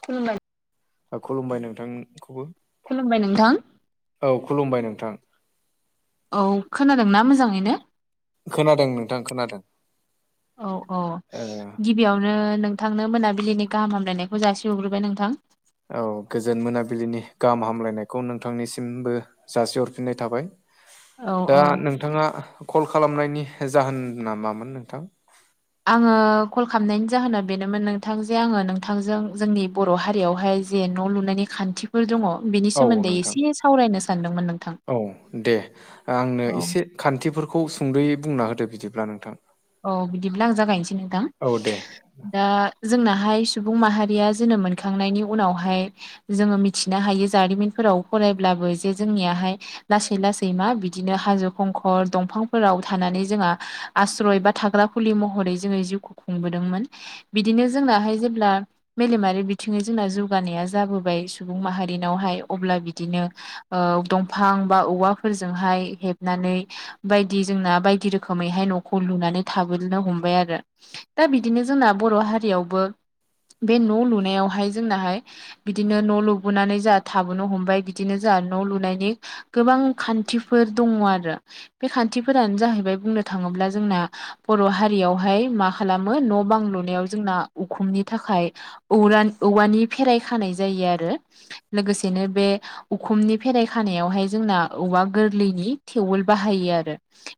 [unintelligible] खुलुमबाय नोंथांखौबो खुलुमबाय नोंथां औ खुलुमबाय नोंथां औ खोनादोंना मोजाङैनो खोनादों नोंथां खोनादों औ औ ओ गिबियावनो नोंथांनो मोनाबिलिनि गाहाम हामलायनायखौ जासिहरग्रोबाय नोंथां औ गोजोन मोनाबिलिनि गाहाम हामलायनायखौ नोंथांनिसिमबो जासिहरफिननाय थाबाय। औ दा औ नोंथाङा कल खालामनायनि जाहोन ना मामोन नोंथां? आङो कल खालामनायनि जाहोना बेनोमोन नोंथां जे आङो नोंथांजों जोंनि बर हारियावहाय जे न लुनायनि खान्थि फोर दङ बिनि औ सोमोन्दै नोंथां एसे सावरायनो सानदोंमोन नोंथां औ दे आंनो औ। एसे खान्थिफोरखौ सुंदोयै बुंना होदो बिदिब्ला नोंथां। औ बिदिब्ला आं जागायनोसै नोंथां औ दे दा जोंनाहाय सुबुं माहारिया जोनोम मोनखांनायनि उनावहाय जोङो मिथिनो हायो जारिमिनफोराव फरायब्लाबो जे जोंनियाहाय लासै लासै मा बिदिनो हाजो खंखर दंफांफोराव थानानै जोंहा आस्रय बा थाग्रा फुलि महरै जोङो जिउखौ खुंबोदोंमोन बिदिनो जोंनाहाय जेब्ला मेलेमारि बिथिङै जोंना जौगानाया जाबोबाय सुबुं माहारिनावहाय अब्ला बिदिनो ओ दंफां बा औवाफोरजोंहाय हेबनानै बायदि जोंना बायदि रोखोमैहाय नखौ लुनानै थाबोनो हमबाय आरो दा बिदिनो जोंना बर हारियावबो बे न लुनायावहाय जोंनाहाय बिदिनो न लुबोनानै जोंहा थाबोनो हमबाय बिदिनो जों न लुनायनि गोबां खान्थिफोर दङ आरो बे खान्थिफोरानो जाहैबाय बुंनो थाङोब्ला जोंना बर हारियावहाय मा खालामो न बां लुनायाव जोंना उखुमनि थाखाय उरान औवानि फेराइ खानाय जायो आरो लोगोसेनो बे उखुमनि फेराय खानायावहाय जोंना औवा गोरलैनि थेवोल बाहायो आरो।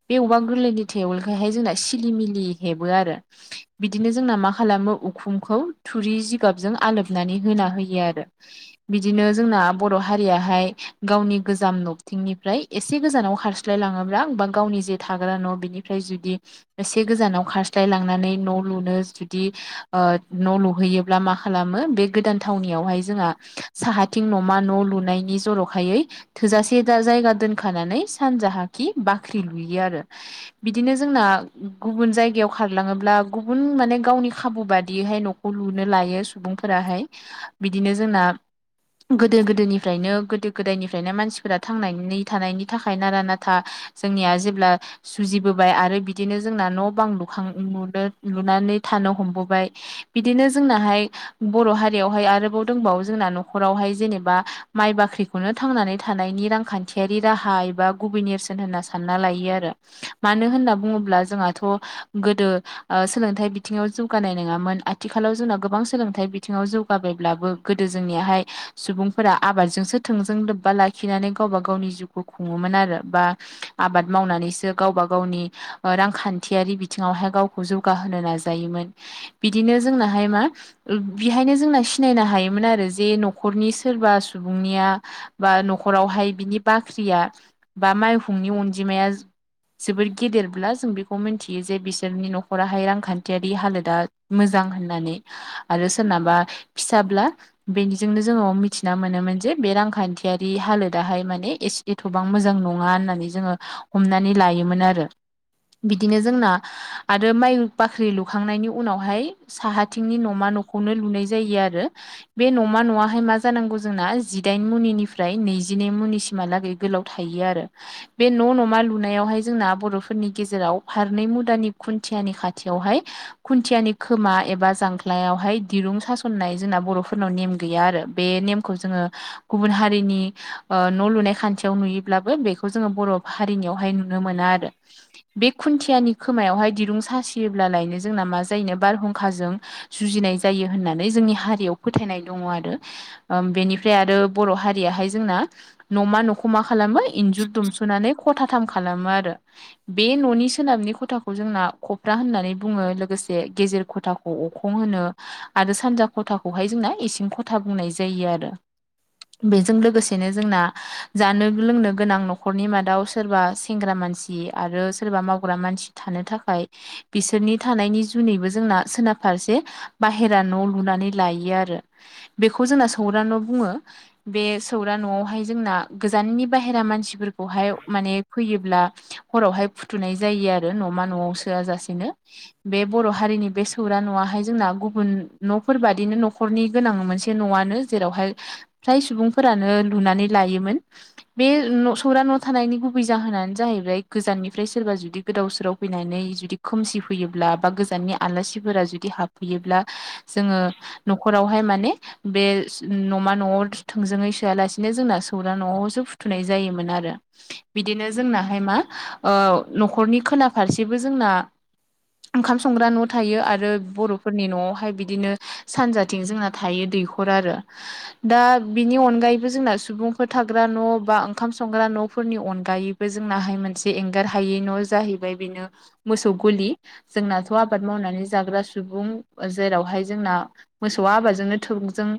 बे अबा गोरलैनि थेवखहाय जोंना सिलि मिलि हेबो आरो बिदिनो जोंना मा खालामो उखुमखौ थुरि जिगाबजों आलोबनानै होना होयो आरो बिदिनो जोंना बर' हारियाहाय गावनि गोजाम नबथिंनिफ्राय एसे गोजानाव हारस्लाय लाङोब्ला बा गावनि जे थाग्रा न बिनिफ्राय जुदि एसे गोजानाव खारस्लाय लांनानै न लुनो जुदि ओ न लुहैयोब्ला मा खालामो बे गोदान थावनियावहाय जोंहा साहाथिं नमा न' लुनायनि जर'खायै थोजासे दा जायगा दोनखानानै सानजाहाखि बाख्रि लुयो आरो बिदिनो जोंना गुबुन जायगायाव खारलाङोब्ला गुबुन माने गावनि खाबु बादियैहाय न'खौ लुनो लायो सुबुंफोराहाय बिदिनो जोंना गोदो गोदोनिफ्रायनो गोदो गोदायनिफ्रायनो मानसिफोरा थांनानै थानायनि थाखाय नारा नाथा जोंनिया जेब्ला सुजिबोबाय आरो बिदिनो जोंना न' बां लुखां लु लुनानै थानो हमबोबाय बिदिनो जोंनाहाय बर' हारियावहाय आरोबाव दंबावो जोंना नखरावहाय जेनेबा माइ बाख्रि खौनो थांनानै थानायनि रांखान्थियारि राहा एबा गुबै नेरसोन होनना सानना लायो आरो मानो होनना बुङोब्ला जोंहाथ' गोदो ओ सोलोंथाइ बिथिङाव जौगानाय नङामोन आथिखालाव जोंना गोबां सोलोंथाइ बिथिङाव जौगाबायब्लाबो गोदो जोंनियाहाय सुबुंफोरा आबादजोंसो थोंजों लोब्बा लाखिनानै गावबा गावनि जिउ खुङोमोन आरो बा आबाद मावनानैसो गावबा गावनि ओ रांखान्थियारि बिथिङावहाय गावखौ जौगाहोनो नाजायोमोन बिदिनो जोंनाहाय मा बेहायनो जोंना सिनायनो हायोमोन आरो जे नखरनि सोरबा सुबुंनिया बा नखरावहाय बिनि बाख्रिया बा माइहुंनि अनजिमाया जोबोर गेदेरब्ला जों बेखौ मिथियो जे बिसोरनि नखराहाय रांखान्थियारि हालोदा मोजां होननानै आरो सोरनाबा फिसाब्ला बेनिजोंनो जोङो मिथिना मोनोमोन जे बे रांखान्थियारि हालोदाहाय माने एसे एथ'बां मोजां नङा होननानै जोङो हमनानै लायोमोन आरो बिदिनो जोंना आरो माइ बाख्रि लुखांनायनि उनावहाय साहाथिंनि नमा नखौनो लुनाय जायो आरो बे नमा न'आहाय मा जानांगौ जोंना जिदाइन मुनि निफ्राय नैजिनै मुनिसिमहालागै गोलाव थायो आरो बे न' नमा लुनायावहाय जोंना बर'फोरनि गेजेराव फारनै मुदानि खुन्थियानि खाथियावहाय खुन्थियानि खोमा एबा जांख्लायावहाय दिरुं सास'ननाय जोंना बर'फोरनाव नेम गैया आरो बे नेमखौ जोङो गुबुन हारिनि ओ न' लुनाय खान्थियाव नुयोब्लाबो बेखौ जोङो बर' हारिनियावहाय नुनो मोना आरो खुनथियानि खोमायावहाय दिरुं सासियोब्लालायनो जोंना मा जायो बारहुंखाजों जुजिनाय जायो होननानै जोंनि हारियाव फोथायनाय दङ आरो ओ बेनिफ्राय आरो बर' हारियाहाय जोंना नमा नखौ मा खालामो इन्जुर दुमस'नानै खथाथाम खालामो आरो बे न'नि सोनाबनि खथाखौ जोंना खफ्रा होननानै बुङो लोगोसे गेजेर खथाखौ अखं होनो आरो सानजा खथाखौहाय जोंना इसिं खथा बुंनाय जायो आरो बेजों लोगोसेनो जोंना जानो लोंनो गोनां नखरनि मादाव सोरबा सेंग्रा मानसि आरो सोरबा मावग्रा मानसि थानो थाखाय बिसोरनि थानायनि जुनैबो जोंना सोनाब फारसे बाहेरा न' लुनानै लायो आरो बेखौ जोंना सौरा न' बुङो बे सौरा न'आवहाय जोंना गोजाननि बायह्रा मानसिफोरखौ बेहाय माने फैयोब्ला हरावहाय फुथुनाय जायो आरो न'मा न'आव सोआ जासेनो बे बर' हारिनि बे सौरा न'आहाय जोंना गुबुन न'फोर बादिनो न'खरनि गोनां मोनसे न'आनो जेरावहाय फ्राय सुबुंफोरानो लुनानै लायोमोन बे सौरा न' थानायनि गुबै जाहोनानो जाहैबाय गोजाननिफ्राय सोरबा जुदि गोदाव सोराव फैनानै जुदि खोमसिफैयोब्ला बा गोजाननि आलासिफोरा जुदि हाब फैयोब्ला जोङो नखरावहाय माने बे नमा न'आव थोंजोङै सोआलासेनो जोंना सौरा न'आवसो फुथुनाय जायोमोन आरो बिदिनो जोंनाहाय मा ओ नखरनि खोला फारसेबो जोंना ओंखाम संग्रा न' थायो आरो बर'फोरनि न'आवहाय बिदिनो सानजाथिं जोंना थायो दैखर आरो दा बिनि अनगायैबो जोंना सुबुंफोर थाग्रा न' बा ओंखाम संग्रा न'फोरनि अनगायै जोंनाहाय मोनसे एंगार हायै न' जाहैबाय बेनो मोसौ गलि जोंनाथ' आबाद मावनानै जाग्रा सुबुं जेरावहाय जोंना मोसौआ आबादजोंनो थोंजों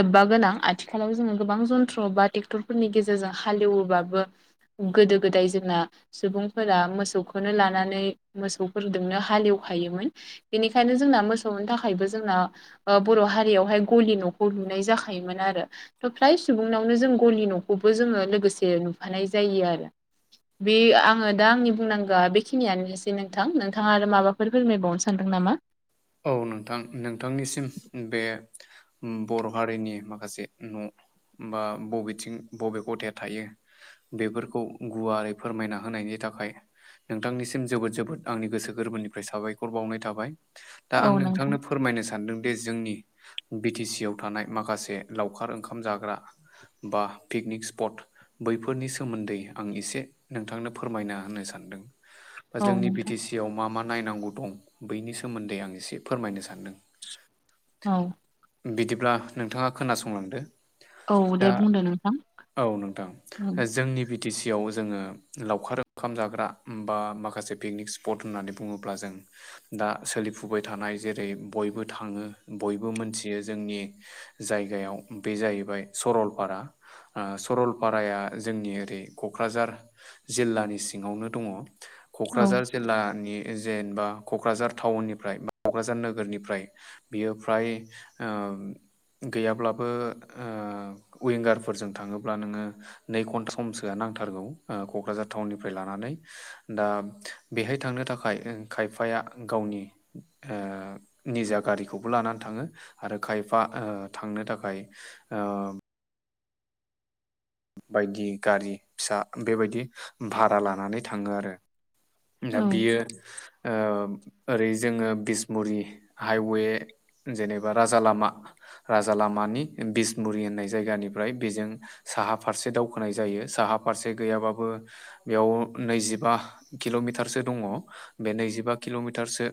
लोब्बा गोनां आथिखालाव जोङो गोबां जन्थ्र बा ट्रेक्टरफोरनि गेजेरजों हालेवोबाबो गोदो गोदाय जोंना सुबुंफोरा मोसौखौनो लानानै मोसौफोरजोंनो हालेवखायोमोन बेनिखायनो जोंना मोसौनि थाखायबो जोंना बर' हारियावहाय गलि न'खौ लुनाय जाखायोमोन आरो थ' फ्राय सुबुंनावनो जों गलि न'खौबो जोङो लोगोसे नुफानाय जायो आरो बे आङो दा आंनि बुंनांगौआ बेखिनियानोसै नोंथां नोंथाङा आरो माबाफोर फोरमायबावनो सानदों नामा औ नोंथां नोंथांनिसिम बे बर' हारिनि माखासे न' बा बबेथिं बबे खथाया थायो बेफोरखौ गुवारै फोरमायना होनायनि थाखाय नोंथांनिसिम जोबोद जोबोद आंनि गोसो गोरबोनिफ्राय साबायखर बावनाय थाबाय। दा औ आं नोंथां नोंथांनो फोरमायनो सानदों दि जोंनि बि टि सि आव थानाय माखासे लावखार ओंखाम जाग्रा बा पिकनिक स्पट बैफोरनि सोमोन्दै आं एसे नोंथांनो फोरमायना होनो सानदों बा औ जोंनि बि नोंथां टि सि आव मा मा नायनांगौ दं बैनि सोमोन्दै आं एसे फोरमायनो सान्दों। औ बिदिब्ला नोंथाङा खोनासंलांदो औ दा दे बुंदो नोंथां औ नोंथां औ जोंनि बि टिसि आव जोङो लावखार ओंखाम जाग्रा बा माखासे पिकनिक स्पट होननानै बुङोब्ला जों दा सोलिफुबाय थानाय जेरै बयबो थाङो बयबो मोनथियो जोंनि जायगायाव बे जाहैबाय सरलपारा ओ सरलपाराया जोंनि ओरै क'क्राझार जिल्लानि सिङावनो दङ औ क'क्राझार जिल्लानि जेनेबा क'क्राझार टाउननिफ्राय बा क'क्राझार नोगोरनिफ्राय बियो फ्राय ओ गैयाब्लाबो ओ उिंगारफोरजों थाङोब्ला नोङो नै घन्टा समसोआ नांथारगौ ओ क'क्राझार टाउननिफ्राय लानानै दा बेहाय थांनो थाखाय खायफाया गावनि ओ निजा गारिखौबो लानानै थाङो आरो खायफा ओ थांनो थाखाय ओ बायदि गारि फिसा बेबायदि भारा लानानै थाङो आरो दा बियो औ ओ ओरै जोङो बिसमुरि हाइवे जेनेबा राजा लामा राजा लामानि बिसमुरि होननाय जायगानिफ्राय बेजों साहा फारसे दावखोनाय जायो साहा फारसे गैयाबाबो बेयाव नैजिबा किल'मिटारसो दङ बे नैजिबा किल'मिटारसो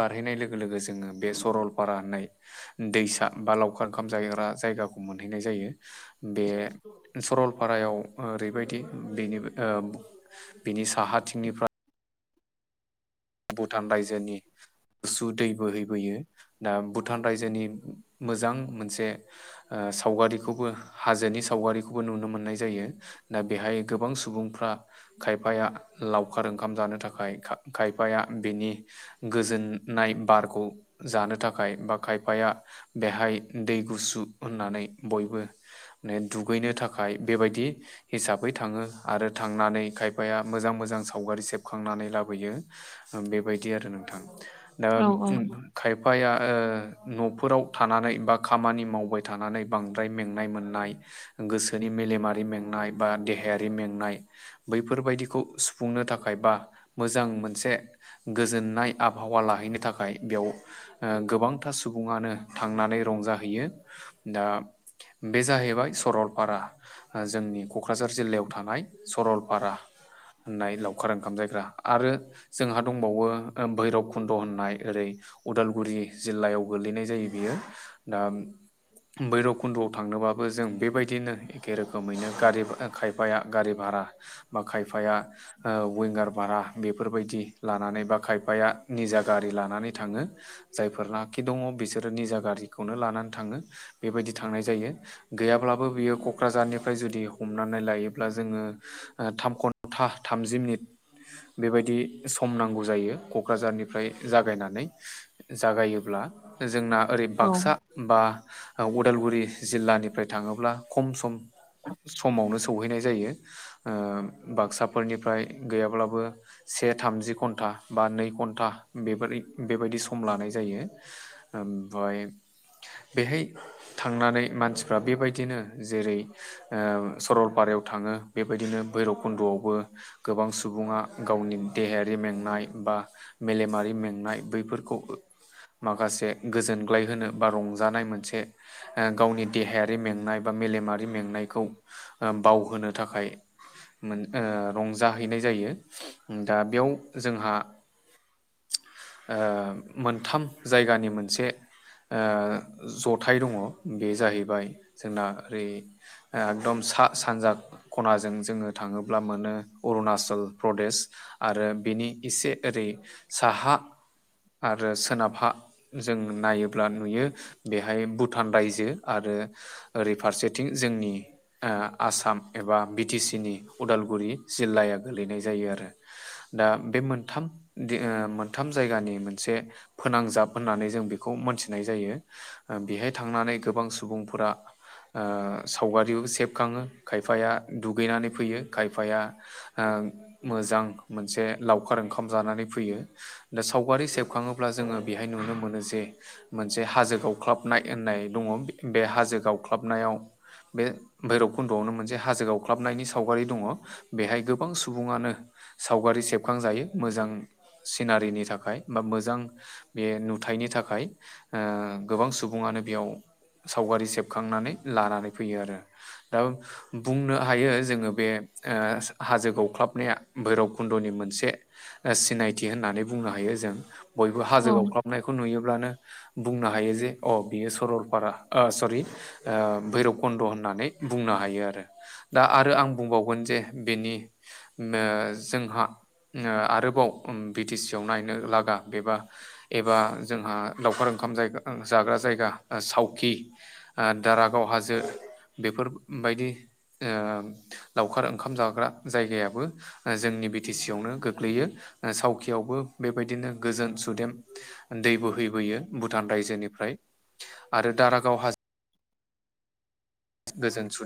बारहैनाय लोगो लोगो जोङो बे सरलपारा होननाय दैसा बा लावखार ओंखाम जाग्रा जायगाखौ मोनहैनाय जायो। बे सरलपारायाव ओरैबायदि बेनि बिनि साहाथिंनिफ्राय भुटान रायजोनि गसु दै बोहै लुबैयो दा भुटान रायजोनि मोजां मोनसे ओ सावगारिखौबो हाजोनि सावगारिखौबो नुनो मोननाय जायो ओ बेहाय गोबां सुबुंफ्रा खायफाया लावखार ओंखाम जानो थाखाय खाय-खायफा खायफाया बिनि गोजोननाय बारखौ जानो थाखाय बा खायफाया बेहाय दै गुसु होननानै बयबो माने दुगैनो थाखाय बेबायदि हिसाबै थाङो आरो थांनानै खायफाया मोजां मोजां सावगारि सेबखांनानै लाबोयो बेबायदि आरो नोंथां दा औ ओ खायफाया ओ न'फोराव थानानै बा खामानि मावबाय थानानै बांद्राय मेंनाय मोननाय गोसोनि मेलेमारि मेंनाय बा देहायारि मेंनाय बैफोरबायदिखौ सुफुंनो थाखाय बा मोजां मोन से गोजोननाय आबहावानि लाहैनो थाखाय बेयाव ओ गोबांथार सुबुङानो थांनानै रंजाहैयो दा बे जाहैबाय सरलपारा जोंनि क'क्राझार जिल्लायाव थानाय सरलपारा होननाय लावखार ओंखाम जाग्रा आरो जोंहा दंबावो भैरब खुन्द' होननाय ओरै उदालगुरि जिल्लायाव गोलैनाय जायो बियो दा भैरबखुन्द'आव थांनोबाबो जों बेबायदिनो एखे रोखोमैनो गारि खायफाया गारि भारा बा खायफाया विंगार भारा बेफोरबायदि लानानै बा खायफाया निजा गारि लानानै थाङो जायफोरनाखि दङ बिसोरो निजा गारिखौनो लानानै थाङो बेबायदि थांनाय जायो। गैयाब्लाबो बियो क'क्राझारनिफ्राय जुदि हमनानै लायोब्ला जोङो थाम घन्टा थामजि मिनिट बेबायदि सम नांगौ जायो क'क्राझारनिफ्राय जागायनानै जागायोब्ला जोंना ओरै औ बाक्सा बा उदालगुरि जिल्लानिफ्राय थाङोब्ला खम सम समावनो सौहैनाय जायो। ओ बाक्साफोरनिफ्राय गैयाब्लाबो सेट थामजि घन्टा बा नै घन्टा बेब बेबायदि सम लानाय जायो। ओमफाय बेहाय थांनानै मानसिफ्रा बेबायदिनो जेरै सरलपारायाव थाङो बेबायदिनो भैरबकुन्द'आवबो गोबां सुबुङा गावनि देहायारि मेंनाय बा मेलेमारि मेंनाय बैफोरखौ माखासे गोजोनग्लाय होनो बा रंजानाय मोनसे गावनि देहायारि मेंनाय बा मेलेमारि मेंनायखौ बावहोनो थाखाय ओ रंजाहैनाय जायो दा बेयाव जोंहा ओ मोनथाम जायगानि मोनसे ओ जथाय दङ बे जाहैबाय जोंना ओरै ओ एकदम सा सानजा खनाजों जोङो थाङोब्ला मोनो अरुणाचल प्रदेश आरो बिनि एसे ओरै साहा आरो सोनाबहा जों नायोब्ला नुयो बेहाय भुटान रायजो आरो ओरै फारसेथिं जोंनि आसाम एबा बिटि सि नि उदालगुरि जिल्लाया गोलैनाय जायो आरो। दा बे मोनथाम दि मोनथाम जायगानि मोनसे फोनांजाब होननानै जों बेखौ मोनथिनाय जायो। बेहाय थांनानै गोबां सुबुंफोरा ओ सावगारियाव सेबखाङो खायफाया दुगैनानै फैयो खायफाया ओ मोजां मोनसे लावखार ओंखाम जानानै फैयो। दा सावगारि सेबखाङोब्ला जोङो बेहाय नुनो मोनो जे मोनसे हाजो गावख्लाबनाय होननाय दङ बे हाजो गावख्लाबनायाव बे भैरबकुन्द'आवनो मोनसे हाजो गावख्लाबनायनि सावगारि दङ बेहाय गोबां सुबुङानो सावगारि सेबखांजायो मोजां सिनारिनि थाखाय बा मोजां बे नुथायनि थाखाय ओ गोबां सुबुङानो बेयाव सावगारि सेबखांनानै लानानै फैयो आरो। दा बुंनो हायो जोङो बे ओ हाजो गावख्लाबनाया भैरबखुन्द'नि मोनसे सिनायथि होननानै बुंनो हायो जों बयबो हाजो औ गावख्लाब नायखौ नुयोब्लानो बुंनो हायो जे अ बियो सरलपारा ओ सरि ओ भैरब कन्द' होननानै बुंनो हायो आरो। दा आरो आं बुंबावगोन जे बेनि ओ जोंहा ओ आरोबाव बिटिसि आव नायनो लागा एबा एबा जोंहा लावखार ओंखाम जायगा जाग्रा जायगा सावकि ओ दारागाव हाजो बेफोरबायदि ओ लावखार ओंखाम जाग्रा जायगायाबो जोंनि बि टि सि आवनो गोग्लैयो सावकियावबो बेबायदिनो गोजोन सुदेम दै बोहैबोयो भुटान रायजोनिफ्राय आरो दारागाव हाजो गोजोन सुदेम।